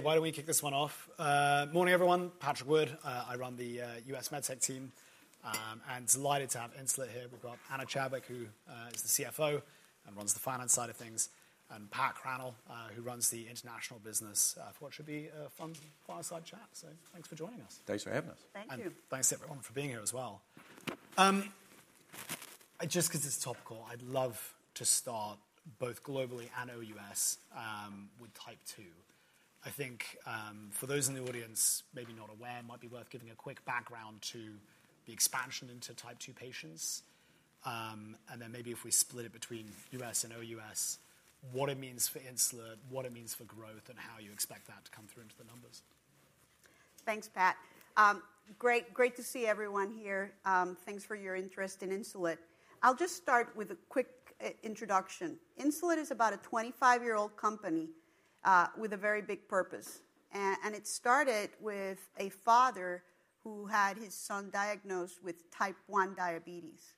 Why don't we kick this one off? Morning, everyone. Patrick Wood. I run the US MedTech team and delighted to have Insulet here. We've got Ana Chadwick, who is the CFO and runs the finance side of things, and Pat Crannell, who runs the international business for what should be a fun fireside chat, so thanks for joining us. Thanks for having us. Thank you. And thanks to everyone for being here as well. Just because it's topical, I'd love to start both globally and OUS with Type 2. I think for those in the audience maybe not aware, it might be worth giving a quick background to the expansion into Type 2 patients. And then maybe if we split it between U.S. and OUS, what it means for Insulet, what it means for growth, and how you expect that to come through into the numbers. Thanks, Pat. Great to see everyone here. Thanks for your interest in Insulet. I'll just start with a quick introduction. Insulet is about a 25-year-old company with a very big purpose, and it started with a father who had his son diagnosed with Type 1 diabetes,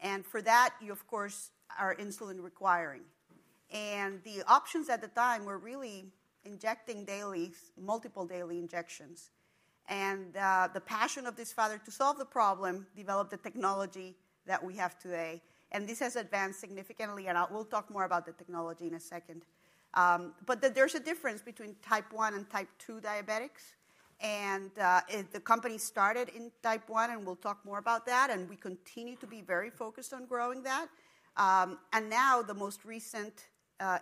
and for that, you, of course, are insulin requiring, and the options at the time were really injecting daily, multiple daily injections. The passion of this father to solve the problem developed the technology that we have today, and this has advanced significantly, and we'll talk more about the technology in a second, but there's a difference between Type 1 and Type 2 diabetics, and the company started in Type 1, and we'll talk more about that, and we continue to be very focused on growing that. Now the most recent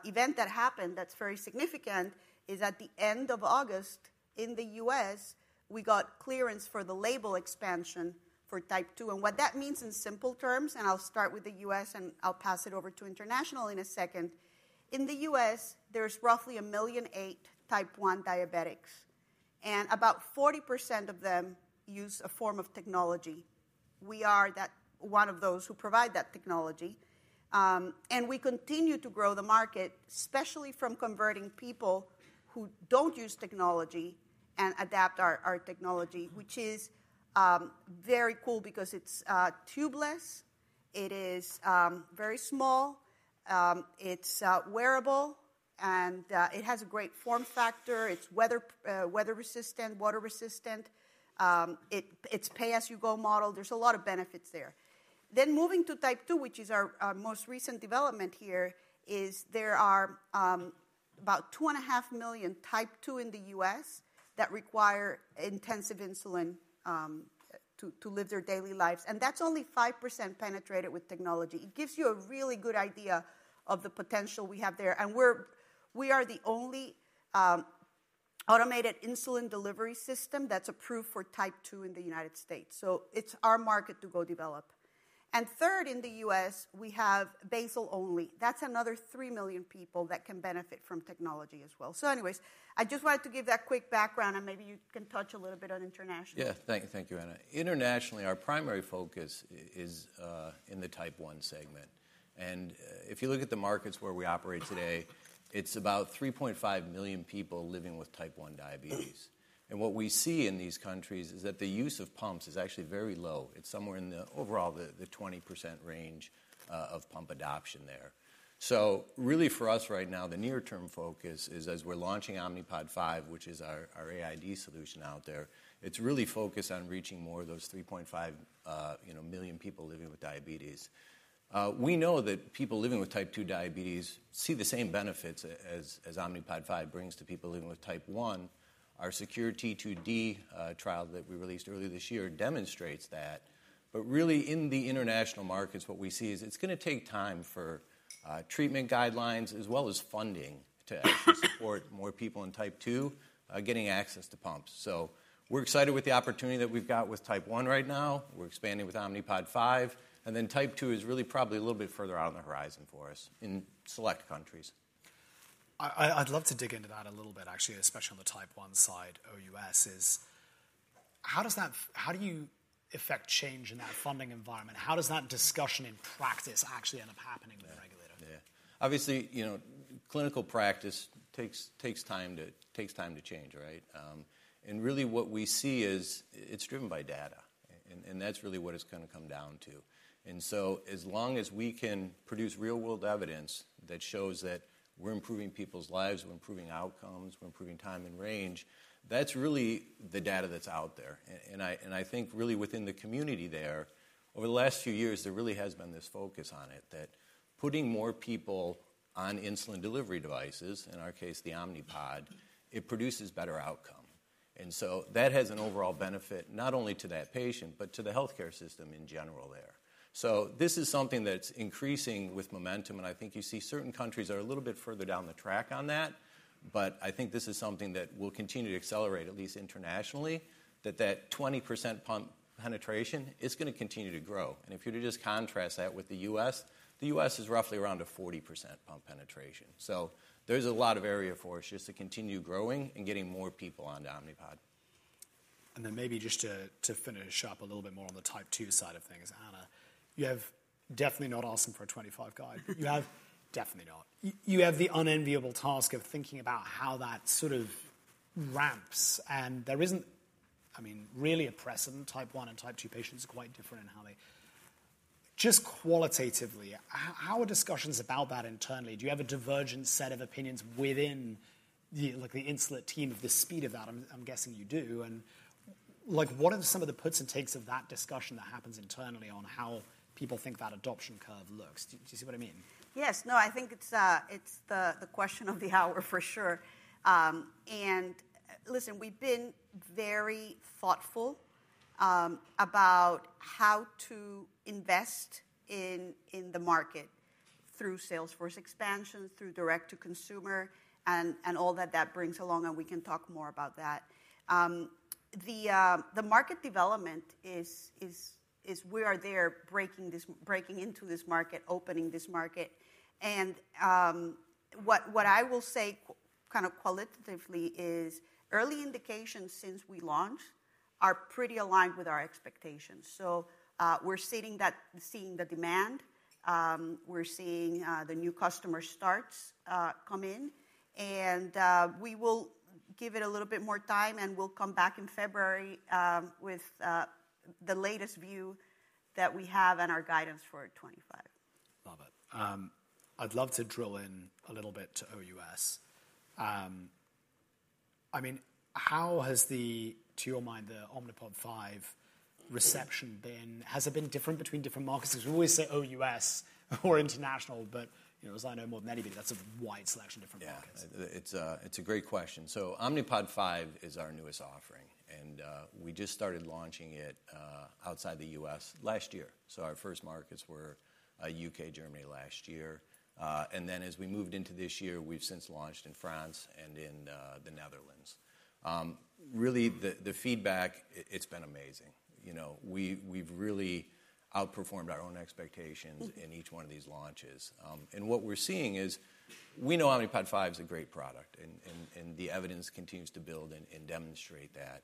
event that happened that's very significant is at the end of August in the U.S., we got clearance for the label expansion for Type 2. What that means in simple terms, and I'll start with the U.S. and I'll pass it over to international in a second. In the U.S., there's roughly 1.8 million Type 1 diabetics. About 40% of them use a form of technology. We are one of those who provide that technology. We continue to grow the market, especially from converting people who don't use technology and adapt our technology, which is very cool because it's tubeless, it is very small, it's wearable, and it has a great form factor, it's weather resistant, water resistant, it's pay-as-you-go model. There's a lot of benefits there. Then moving to Type 2, which is our most recent development here. There are about 2.5 million Type 2 in the U.S. that require intensive insulin to live their daily lives. And that's only 5% penetrated with technology. It gives you a really good idea of the potential we have there. And we are the only automated insulin delivery system that's approved for Type 2 in the United States. So it's our market to go develop. And third, in the U.S., we have basal only. That's another 3 million people that can benefit from technology as well. So anyways, I just wanted to give that quick background, and maybe you can touch a little bit on international. Yeah, thank you, Ana. Internationally, our primary focus is in the Type 1 segment, and if you look at the markets where we operate today, it's about 3.5 million people living with Type 1 diabetes, and what we see in these countries is that the use of pumps is actually very low. It's somewhere in the overall 20% range of pump adoption there. So really for us right now, the near-term focus is as we're launching Omnipod 5, which is our AID solution out there, it's really focused on reaching more of those 3.5 million people living with diabetes. We know that people living with Type 2 diabetes see the same benefits as Omnipod 5 brings to people living with Type 1. Our SECURE-T2D trial that we released earlier this year demonstrates that. But really in the international markets, what we see is it's going to take time for treatment guidelines as well as funding to actually support more people in Type 2 getting access to pumps. So we're excited with the opportunity that we've got with Type 1 right now. We're expanding with Omnipod 5. And then Type 2 is really probably a little bit further out on the horizon for us in select countries. I'd love to dig into that a little bit, actually, especially on the Type 1 side, OUS. How do you affect change in that funding environment? How does that discussion in practice actually end up happening with regulators? Yeah. Obviously, clinical practice takes time to change, right? And really what we see is it's driven by data. And that's really what it's going to come down to. And so as long as we can produce real-world evidence that shows that we're improving people's lives, we're improving outcomes, we're improving time in range, that's really the data that's out there. And I think really within the community there, over the last few years, there really has been this focus on it that putting more people on insulin delivery devices, in our case, the Omnipod, it produces better outcome. And so that has an overall benefit not only to that patient, but to the healthcare system in general there. So this is something that's increasing with momentum. And I think you see certain countries are a little bit further down the track on that. But I think this is something that will continue to accelerate, at least internationally, that 20% pump penetration is going to continue to grow. And if you were to just contrast that with the U.S., the U.S. is roughly around a 40% pump penetration. So there's a lot of area for us just to continue growing and getting more people onto Omnipod. Then maybe just to finish up a little bit more on the Type 2 side of things, Ana. You're definitely not asking for a 25 guide. You're definitely not. You have the unenviable task of thinking about how that sort of ramps. And there isn't, I mean, really a precedent. Type 1 and Type 2 patients are quite different in how they just qualitatively, how are discussions about that internally? Do you have a divergent set of opinions within the Insulet team at the speed of that? I'm guessing you do. And what are some of the puts and takes of that discussion that happens internally on how people think that adoption curve looks? Do you see what I mean? Yes. No, I think it's the question of the hour for sure. And listen, we've been very thoughtful about how to invest in the market through sales force expansion, through direct-to-consumer, and all that that brings along. And we can talk more about that. The market development is we are there breaking into this market, opening this market. And what I will say kind of qualitatively is early indications since we launched are pretty aligned with our expectations. So we're seeing the demand. We're seeing the new customer starts come in. And we will give it a little bit more time. And we'll come back in February with the latest view that we have and our guidance for 2025. Love it. I'd love to drill in a little bit to OUS. I mean, how has, to your mind, the Omnipod 5 reception been? Has it been different between different markets? Because we always say OUS or international, but as I know more than anybody, that's a wide selection of different markets. Yeah, it's a great question. So Omnipod 5 is our newest offering. And we just started launching it outside the U.S. last year. So our first markets were U.K., Germany last year. And then as we moved into this year, we've since launched in France and in the Netherlands. Really, the feedback, it's been amazing. We've really outperformed our own expectations in each one of these launches. And what we're seeing is we know Omnipod 5 is a great product. And the evidence continues to build and demonstrate that.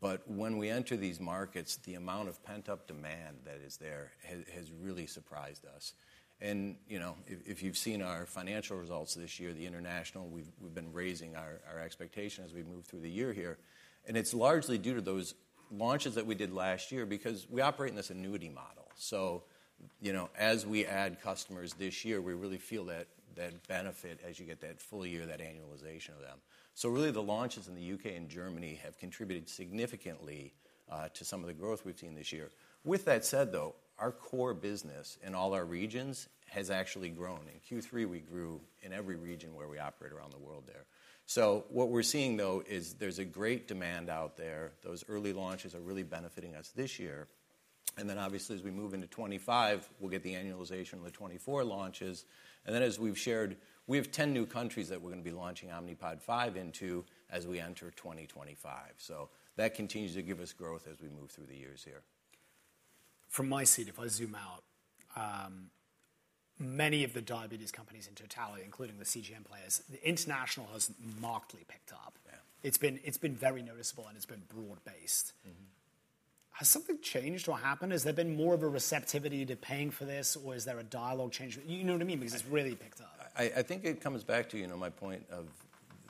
But when we enter these markets, the amount of pent-up demand that is there has really surprised us. And if you've seen our financial results this year, the international, we've been raising our expectations as we move through the year here. And it's largely due to those launches that we did last year because we operate in this annuity model. So as we add customers this year, we really feel that benefit as you get that full year, that annualization of them. So really, the launches in the U.K. and Germany have contributed significantly to some of the growth we've seen this year. With that said, though, our core business in all our regions has actually grown. In Q3, we grew in every region where we operate around the world there. So what we're seeing, though, is there's a great demand out there. Those early launches are really benefiting us this year. And then obviously, as we move into 2025, we'll get the annualization of the 2024 launches. And then as we've shared, we have 10 new countries that we're going to be launching Omnipod 5 into as we enter 2025. So that continues to give us growth as we move through the years here. From my seat, if I zoom out, many of the diabetes companies in totality, including the CGM players, the international has markedly picked up. It's been very noticeable, and it's been broad-based. Has something changed or happened? Has there been more of a receptivity to paying for this, or is there a dialogue change? You know what I mean? Because it's really picked up. I think it comes back to my point of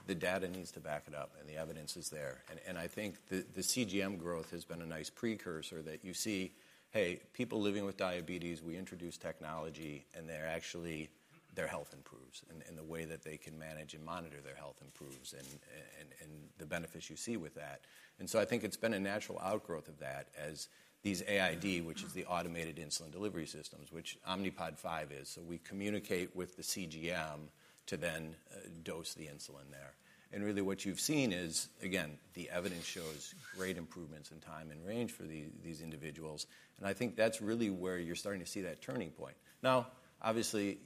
the data needs to back it up, and the evidence is there, and I think the CGM growth has been a nice precursor that you see, hey, people living with diabetes, we introduce technology, and their health improves. And the way that they can manage and monitor their health improves, and the benefits you see with that, and so I think it's been a natural outgrowth of that as these AID, which is the automated insulin delivery systems, which Omnipod 5 is, so we communicate with the CGM to then dose the insulin there. And really what you've seen is, again, the evidence shows great improvements in time in range for these individuals, and I think that's really where you're starting to see that turning point. Now, obviously,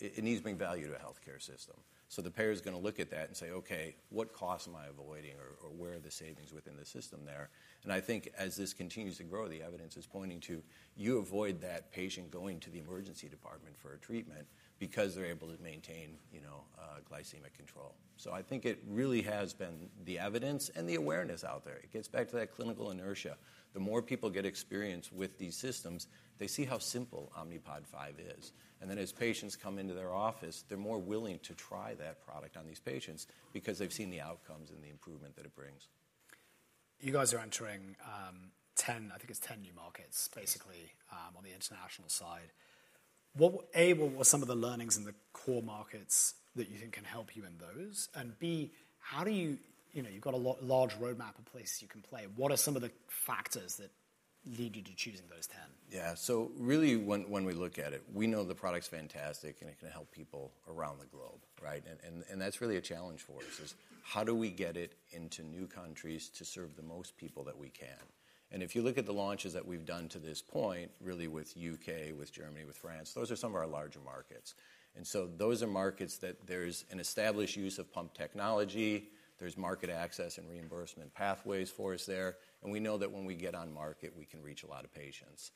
it needs to bring value to a healthcare system. So the payer is going to look at that and say, "Okay, what costs am I avoiding or where are the savings within the system there?" And I think as this continues to grow, the evidence is pointing to you avoid that patient going to the emergency department for a treatment because they're able to maintain glycemic control. So I think it really has been the evidence and the awareness out there. It gets back to that clinical inertia. The more people get experience with these systems, they see how simple Omnipod 5 is. And then as patients come into their office, they're more willing to try that product on these patients because they've seen the outcomes and the improvement that it brings. You guys are entering 10, I think it's 10 new markets basically on the international side. A, what were some of the learnings in the core markets that you think can help you in those? And B, how do you, you've got a large roadmap in place you can play. What are some of the factors that lead you to choosing those 10? Yeah. So really, when we look at it, we know the product's fantastic, and it can help people around the globe, right? And that's really a challenge for us: how do we get it into new countries to serve the most people that we can? And if you look at the launches that we've done to this point, really with U.K., with Germany, with France, those are some of our larger markets. And so those are markets that there's an established use of pump technology. There's market access and reimbursement pathways for us there. And we know that when we get on market, we can reach a lot of patients.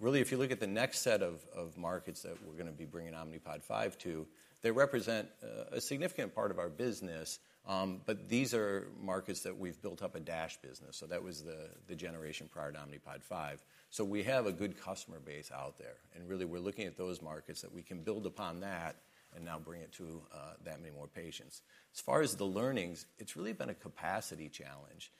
Really, if you look at the next set of markets that we're going to be bringing Omnipod 5 to, they represent a significant part of our business. But these are markets that we've built up a DASH business. That was the generation prior to Omnipod 5. We have a good customer base out there. Really, we're looking at those markets that we can build upon that and now bring it to that many more patients. As far as the learnings, it's really been a capacity challenge.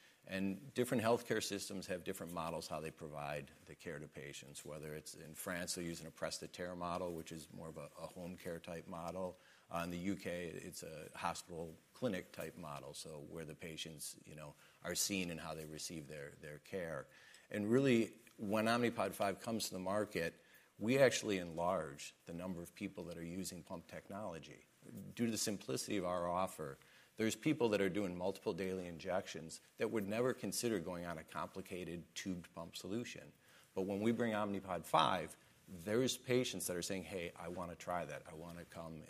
Different healthcare systems have different models how they provide the care to patients. Whether it's in France, they're using a prestataire model, which is more of a home care type model. In the U.K., it's a hospital clinic type model, so where the patients are seen and how they receive their care. Really, when Omnipod 5 comes to the market, we actually enlarge the number of people that are using pump technology. Due to the simplicity of our offer, there's people that are doing multiple daily injections that would never consider going on a complicated tube pump solution. But when we bring Omnipod 5, there's patients that are saying, "Hey, I want to try that. I want to come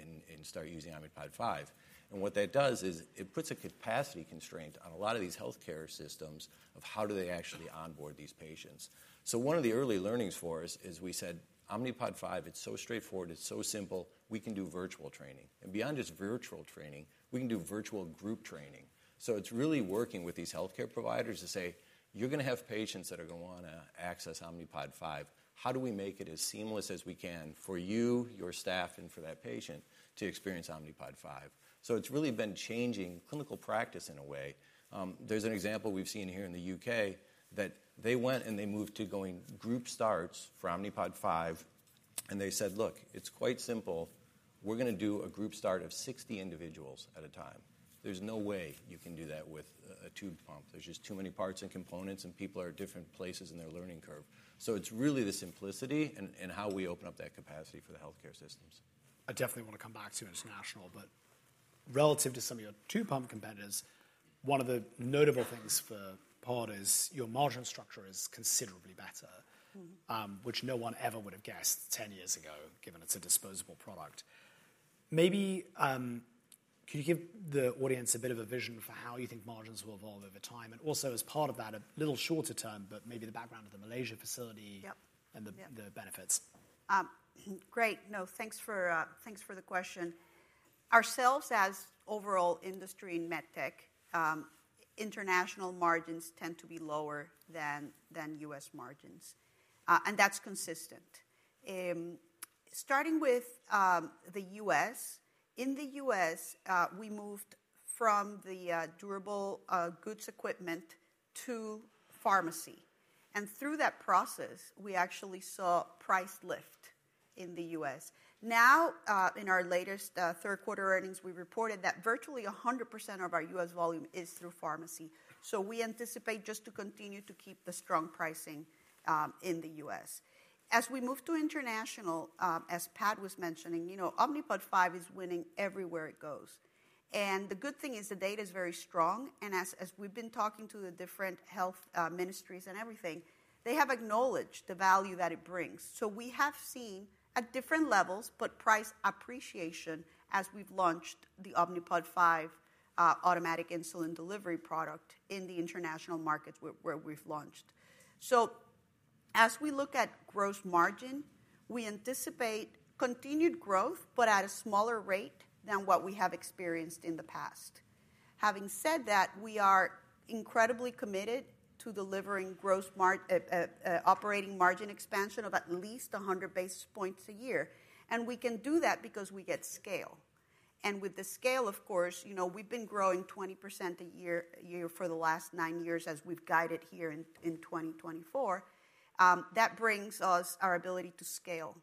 and start using Omnipod 5." And what that does is it puts a capacity constraint on a lot of these healthcare systems of how do they actually onboard these patients. So one of the early learnings for us is we said, "Omnipod 5, it's so straightforward, it's so simple, we can do virtual training." And beyond just virtual training, we can do virtual group training. So it's really working with these healthcare providers to say, "You're going to have patients that are going to want to access Omnipod 5. How do we make it as seamless as we can for you, your staff, and for that patient to experience Omnipod 5?" So it's really been changing clinical practice in a way. There's an example we've seen here in the U.K. that they went and they moved to going group starts for Omnipod 5. And they said, "Look, it's quite simple. We're going to do a group start of 60 individuals at a time. There's no way you can do that with a tube pump. There's just too many parts and components, and people are at different places in their learning curve." So it's really the simplicity and how we open up that capacity for the healthcare systems. I definitely want to come back to international. But relative to some of your tube pump competitors, one of the notable things for POD is your margin structure is considerably better, which no one ever would have guessed 10 years ago, given it's a disposable product. Maybe could you give the audience a bit of a vision for how you think margins will evolve over time? And also as part of that, a little shorter term, but maybe the background of the Malaysia facility and the benefits. Great. No, thanks for the question. Ourselves, as overall industry in med tech, international margins tend to be lower than U.S. margins. And that's consistent. Starting with the U.S., in the U.S., we moved from the durable medical equipment to pharmacy. And through that process, we actually saw price lift in the U.S. Now, in our latest third quarter earnings, we reported that virtually 100% of our U.S. volume is through pharmacy. So we anticipate just to continue to keep the strong pricing in the U.S. As we move to international, as Pat was mentioning, Omnipod 5 is winning everywhere it goes. And the good thing is the data is very strong. And as we've been talking to the different health ministries and everything, they have acknowledged the value that it brings. We have seen price appreciation at different levels as we've launched the Omnipod 5 automated insulin delivery product in the international markets where we've launched. As we look at gross margin, we anticipate continued growth, but at a smaller rate than what we have experienced in the past. Having said that, we are incredibly committed to delivering operating margin expansion of at least 100 basis points a year. We can do that because we get scale. With the scale, of course, we've been growing 20% a year for the last nine years as we've guided here in 2024. That brings our ability to scale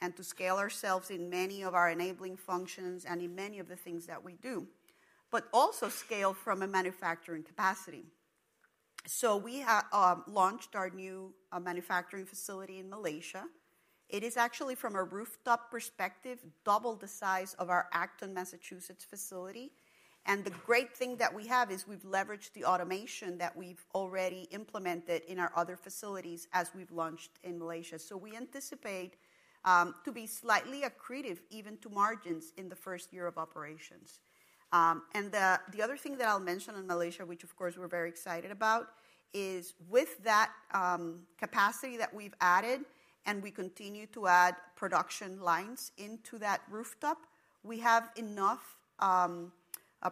and to scale ourselves in many of our enabling functions and in many of the things that we do, but also scale from a manufacturing capacity. We launched our new manufacturing facility in Malaysia. It is actually, from a footprint perspective, double the size of our Acton, Massachusetts facility. And the great thing that we have is we've leveraged the automation that we've already implemented in our other facilities as we've launched in Malaysia. So we anticipate to be slightly accretive even to margins in the first year of operations. And the other thing that I'll mention in Malaysia, which of course we're very excited about, is with that capacity that we've added and we continue to add production lines into that footprint, we have enough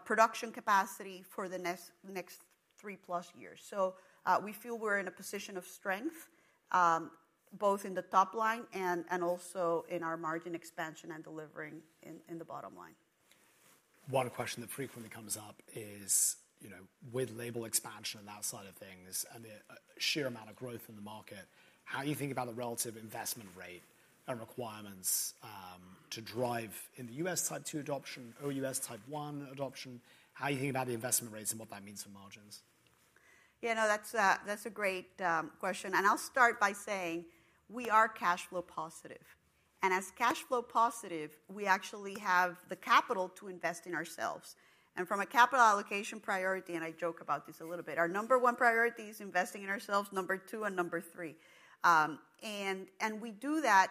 production capacity for the next 3+ years. So we feel we're in a position of strength both in the top line and also in our margin expansion and delivering in the bottom line. One question that frequently comes up is with label expansion and that side of things and the sheer amount of growth in the market. How do you think about the relative investment rate and requirements to drive in the U.S. Type 2 adoption, OUS Type 1 adoption? How do you think about the investment rates and what that means for margins? Yeah, no, that's a great question, and I'll start by saying we are cash flow positive, and as cash flow positive, we actually have the capital to invest in ourselves, and from a capital allocation priority, and I joke about this a little bit, our number one priority is investing in ourselves, number two, and number three, and we do that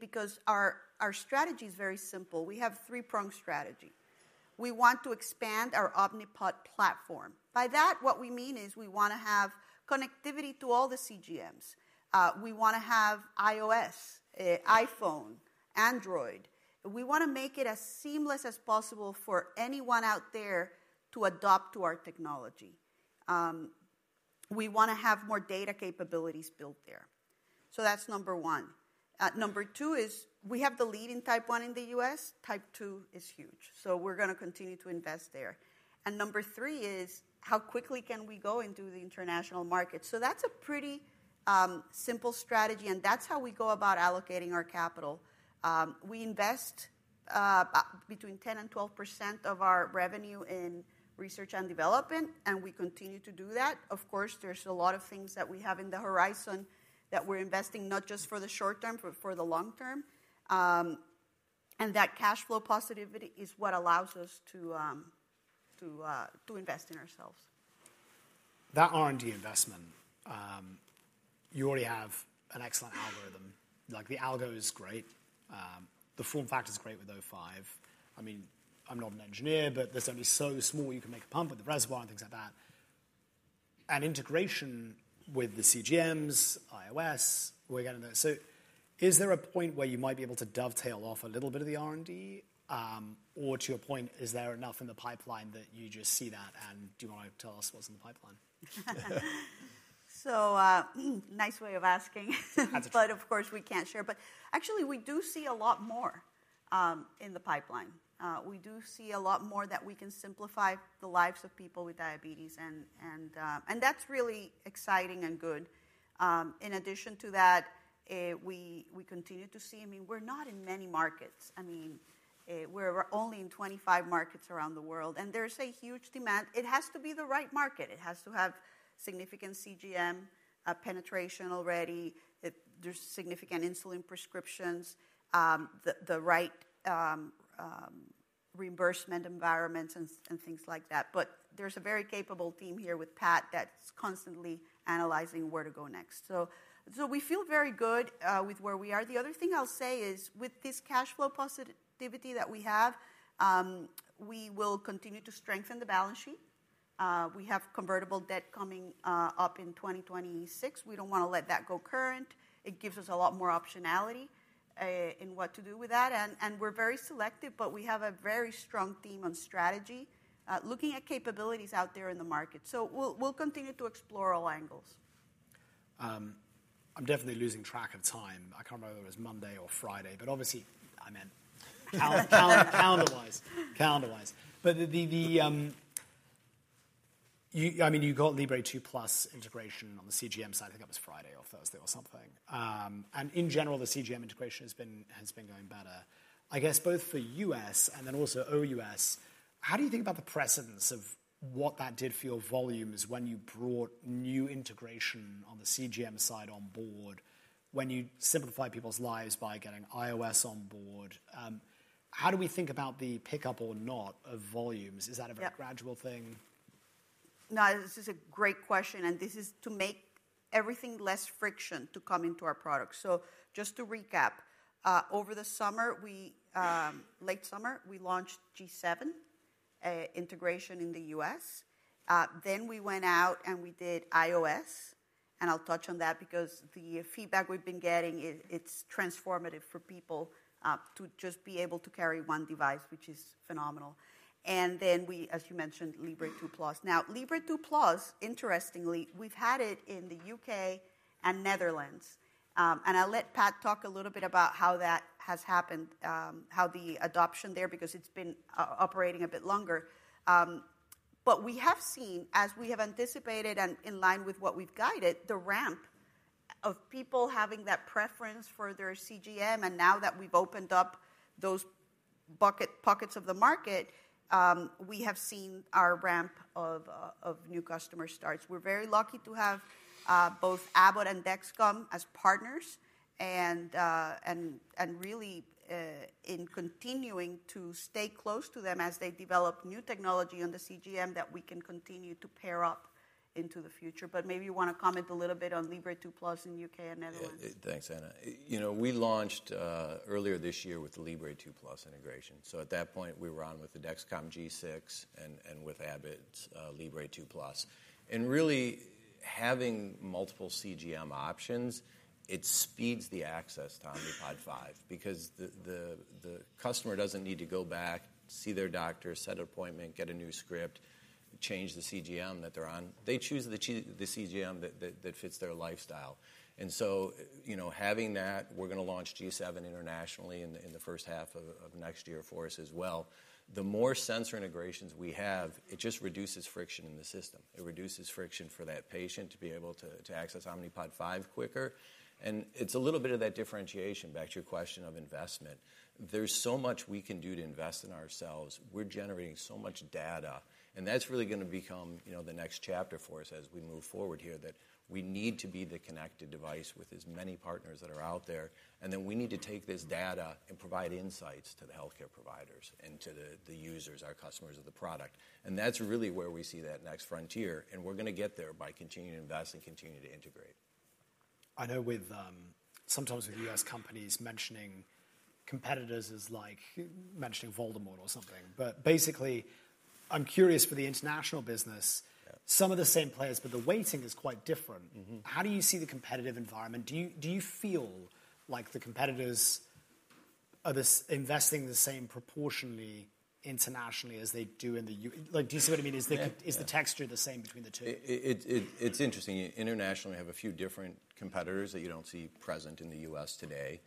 because our strategy is very simple. We have a three-pronged strategy. We want to expand our Omnipod platform. By that, what we mean is we want to have connectivity to all the CGMs. We want to have iOS, iPhone, Android. We want to make it as seamless as possible for anyone out there to adapt to our technology. We want to have more data capabilities built there, so that's number one. Number two is we have the lead in Type 1 in the U.S. Type 2 is huge. We're going to continue to invest there. Number three is how quickly can we go into the international market. That's a pretty simple strategy. That's how we go about allocating our capital. We invest between 10%-12% of our revenue in research and development, and we continue to do that. Of course, there's a lot of things that we have on the horizon that we're investing not just for the short term, but for the long term. That cash flow positivity is what allows us to invest in ourselves. That R&D investment, you already have an excellent algorithm. The algo is great. The form factor is great with O5. I mean, I'm not an engineer, but there's only so small you can make a pump with the reservoir and things like that. And integration with the CGMs, iOS, we're getting there. So is there a point where you might be able to dovetail off a little bit of the R&D? Or to your point, is there enough in the pipeline that you just see that and do you want to tell us what's in the pipeline? So nice way of asking. That's a tough one. But of course, we can't share. But actually, we do see a lot more in the pipeline. We do see a lot more that we can simplify the lives of people with diabetes. And that's really exciting and good. In addition to that, we continue to see, I mean, we're not in many markets. I mean, we're only in 25 markets around the world. And there's a huge demand. It has to be the right market. It has to have significant CGM penetration already. There's significant insulin prescriptions, the right reimbursement environments, and things like that. But there's a very capable team here with Pat that's constantly analyzing where to go next. So we feel very good with where we are. The other thing I'll say is with this cash flow positivity that we have, we will continue to strengthen the balance sheet. We have convertible debt coming up in 2026. We don't want to let that go current. It gives us a lot more optionality in what to do with that, and we're very selective, but we have a very strong theme on strategy looking at capabilities out there in the market, so we'll continue to explore all angles. I'm definitely losing track of time. I can't remember whether it was Monday or Friday, but obviously, I meant calendar-wise. Calendar-wise. But I mean, you got Libre 2+ integration on the CGM side. I think that was Friday or Thursday or something. And in general, the CGM integration has been going better. I guess both for US and then also OUS, how do you think about the precedence of what that did for your volumes when you brought new integration on the CGM side on board, when you simplify people's lives by getting iOS on board? How do we think about the pickup or not of volumes? Is that a very gradual thing? No, this is a great question and this is to make everything less friction to come into our product, so just to recap, over the summer, late summer, we launched G7 integration in the U.S. Then we went out and we did iOS, and I'll touch on that because the feedback we've been getting, it's transformative for people to just be able to carry one device, which is phenomenal, and then we, as you mentioned, Libre 2+. Now, Libre 2+, interestingly, we've had it in the U.K. and Netherlands, and I'll let Pat talk a little bit about how that has happened, how the adoption there, because it's been operating a bit longer, but we have seen, as we have anticipated and in line with what we've guided, the ramp of people having that preference for their CGM. And now that we've opened up those buckets of the market, we have seen our ramp of new customer starts. We're very lucky to have both Abbott and Dexcom as partners and really in continuing to stay close to them as they develop new technology on the CGM that we can continue to pair up into the future. But maybe you want to comment a little bit on Libre 2+ in the U.K. and Netherlands. Thanks, Ana. You know, we launched earlier this year with the Libre 2+ integration. So at that point, we were on with the Dexcom G6 and with Abbott, Libre 2+. And really, having multiple CGM options, it speeds the access to Omnipod 5 because the customer doesn't need to go back, see their doctor, set an appointment, get a new script, change the CGM that they're on. They choose the CGM that fits their lifestyle. And so having that, we're going to launch G7 internationally in the first half of next year for us as well. The more sensor integrations we have, it just reduces friction in the system. It reduces friction for that patient to be able to access Omnipod 5 quicker. And it's a little bit of that differentiation back to your question of investment. There's so much we can do to invest in ourselves. We're generating so much data. And that's really going to become the next chapter for us as we move forward here that we need to be the connected device with as many partners that are out there. And then we need to take this data and provide insights to the healthcare providers and to the users, our customers of the product. And that's really where we see that next frontier. And we're going to get there by continuing to invest and continuing to integrate. I know sometimes with U.S. companies mentioning competitors is like mentioning Voldemort or something. But basically, I'm curious for the international business, some of the same players, but the weighting is quite different. How do you see the competitive environment? Do you feel like the competitors are investing the same proportionally internationally as they do in the U.S.? Do you see what I mean? Is the texture the same between the two? It's interesting. Internationally, we have a few different competitors that you don't see present in the U.S. today.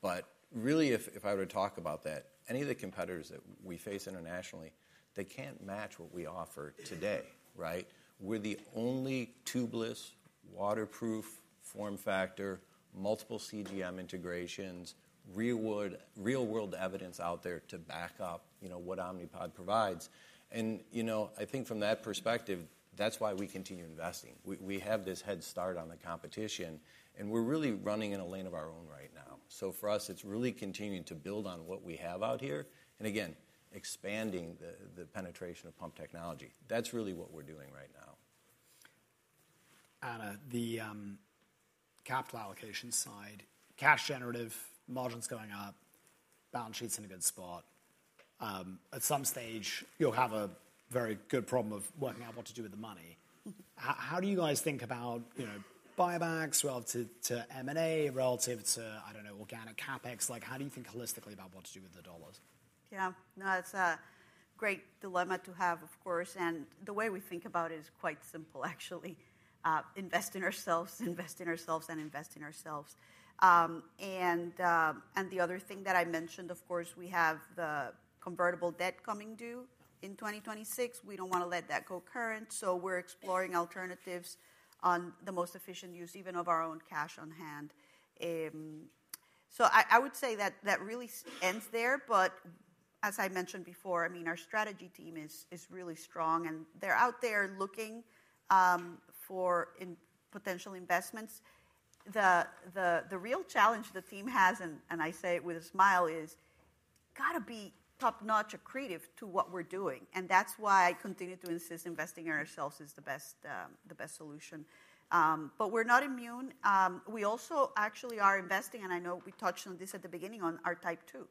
But really, if I were to talk about that, any of the competitors that we face internationally, they can't match what we offer today, right? We're the only tubeless, waterproof, form factor, multiple CGM integrations, real-world evidence out there to back up what Omnipod provides. And I think from that perspective, that's why we continue investing. We have this head start on the competition, and we're really running in a lane of our own right now. So for us, it's really continuing to build on what we have out here. And again, expanding the penetration of pump technology. That's really what we're doing right now. Ana, the capital allocation side, cash generative, margins going up, balance sheet's in a good spot. At some stage, you'll have a very good problem of working out what to do with the money. How do you guys think about buybacks relative to M&A, relative to, I don't know, organic CapEx? How do you think holistically about what to do with the dollars? Yeah, no, it's a great dilemma to have, of course, and the way we think about it is quite simple, actually. Invest in ourselves, invest in ourselves, and invest in ourselves, and the other thing that I mentioned, of course, we have the convertible debt coming due in 2026. We don't want to let that go current, so we're exploring alternatives on the most efficient use even of our own cash on hand, so I would say that really ends there, but as I mentioned before, I mean, our strategy team is really strong, and they're out there looking for potential investments. The real challenge the team has, and I say it with a smile, is got to be top-notch accretive to what we're doing, and that's why I continue to insist investing in ourselves is the best solution, but we're not immune. We also actually are investing, and I know we touched on this at the beginning, on our Type 2.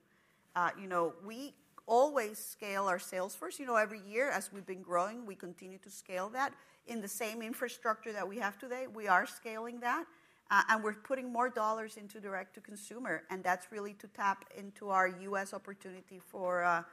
We always scale our sales force. Every year, as we've been growing, we continue to scale that. In the same infrastructure that we have today, we are scaling that, and we're putting more dollars into direct-to-consumer. That's really to tap into our US opportunity for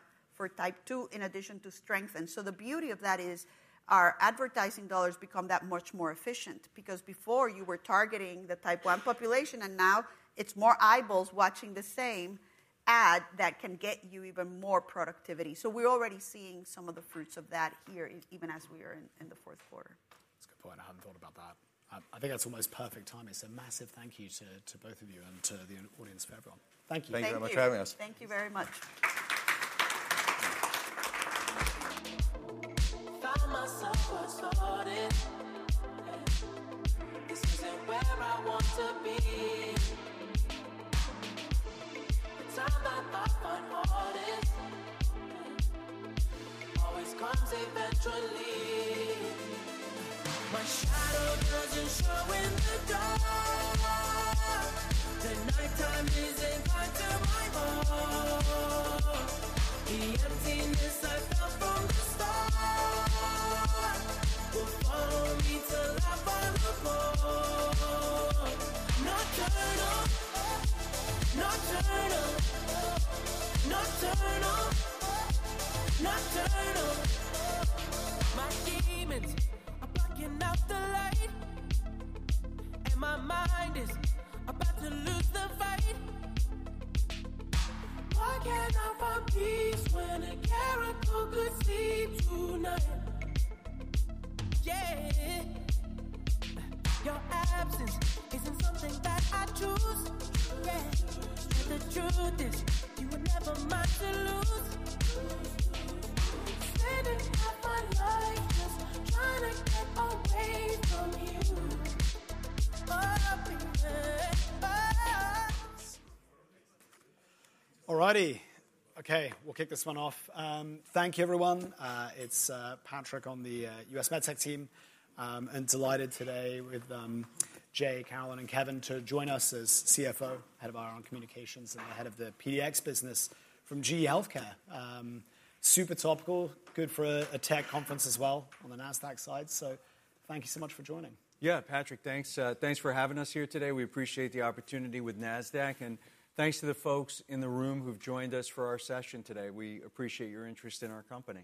Type 2 in addition to strengthen. The beauty of that is our advertising dollars become that much more efficient because before you were targeting the Type 1 population, and now it's more eyeballs watching the same ad that can get you even more productivity, so we're already seeing some of the fruits of that here even as we are in the fourth quarter. That's a good point. I hadn't thought about that. I think that's almost perfect timing. So massive thank you to both of you and to the audience for everyone. Thank you. Thank you very much for having us. Thank you very much. All righty. Okay, we'll kick this one off. Thank you, everyone. It's Patrick on the U.S. MedTech team and delighted today with Jay, Carolynne, and Kevin to join us as CFO, head of Investor Relations, and the head of the PDX business from GE HealthCare. Super topical, good for a tech conference as well on the Nasdaq side. So thank you so much for joining. Yeah, Patrick, thanks. Thanks for having us here today. We appreciate the opportunity with Nasdaq, and thanks to the folks in the room who've joined us for our session today. We appreciate your interest in our company.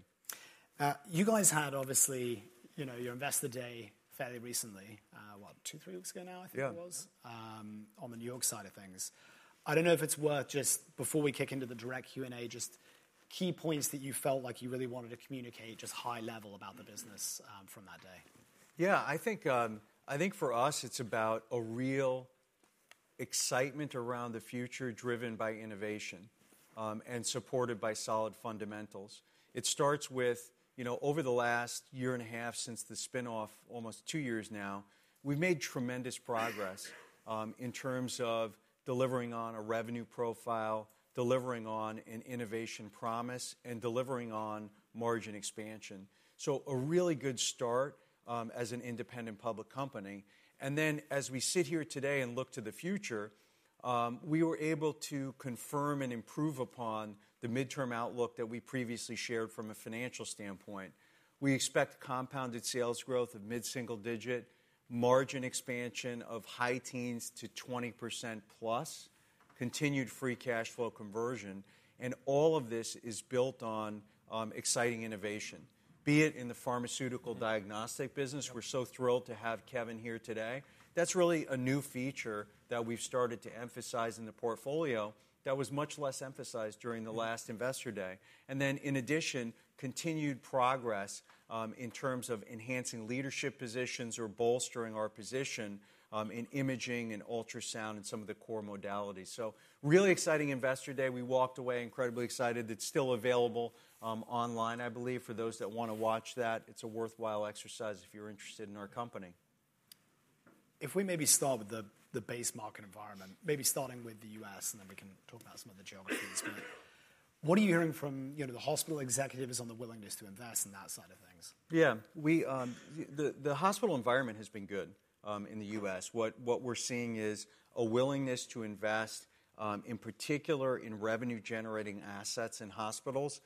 You guys had obviously your Investor Day fairly recently, what, two, three weeks ago now, I think it was, on the New York side of things. I don't know if it's worth just, before we kick into the direct Q&A, just key points that you felt like you really wanted to communicate just high level about the business from that day. Yeah, I think for us, it's about a real excitement around the future driven by innovation and supported by solid fundamentals. It starts with, over the last year and a half since the spinoff, almost two years now, we've made tremendous progress in terms of delivering on a revenue profile, delivering on an innovation promise, and delivering on margin expansion. So a really good start as an independent public company. And then as we sit here today and look to the future, we were able to confirm and improve upon the midterm outlook that we previously shared from a financial standpoint. We expect compounded sales growth of mid-single digit, margin expansion of high teens to 20%+, continued free cash flow conversion. And all of this is built on exciting innovation, be it in the pharmaceutical diagnostic business. We're so thrilled to have Kevin here today. That's really a new feature that we've started to emphasize in the portfolio that was much less emphasized during the last Investor Day, and then in addition, continued progress in terms of enhancing leadership positions or bolstering our position in imaging and ultrasound and some of the core modalities, so really exciting Investor Day. We walked away incredibly excited. It's still available online, I believe. For those that want to watch that, it's a worthwhile exercise if you're interested in our company. If we maybe start with the base market environment, maybe starting with the U.S., and then we can talk about some of the geographies here. What are you hearing from the hospital executives on the willingness to invest in that side of things? Yeah, the hospital environment has been good in the U.S. What we're seeing is a willingness to invest, in particular, in revenue-generating assets in hospitals,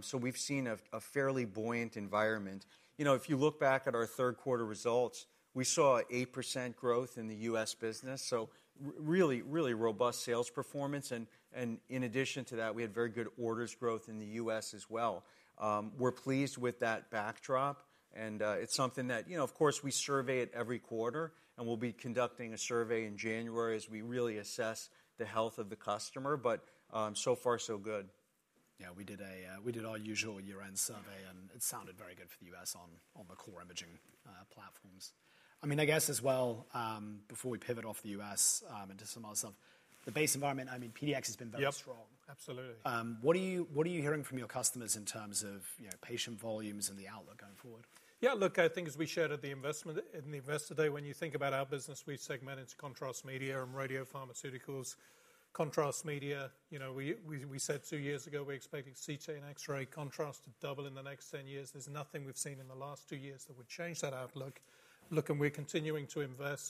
so we've seen a fairly buoyant environment. If you look back at our third quarter results, we saw 8% growth in the U.S. business, so really, really robust sales performance. And in addition to that, we had very good orders growth in the U.S. as well. We're pleased with that backdrop, and it's something that, of course, we survey it every quarter, and we'll be conducting a survey in January as we really assess the health of the customer, but so far, so good. Yeah, we did our usual year-end survey, and it sounded very good for the U.S. on the core imaging platforms. I mean, I guess as well, before we pivot off the U.S. into some other stuff, the base environment, I mean, PDX has been very strong. Yep, absolutely. What are you hearing from your customers in terms of patient volumes and the outlook going forward? Yeah, look, I think as we shared at the Investor Day, when you think about our business, we segment into contrast media and radiopharmaceuticals. Contrast media, we said two years ago, we're expecting CT and X-ray contrast to double in the next 10 years. There's nothing we've seen in the last two years that would change that outlook. Look, and we're continuing to invest.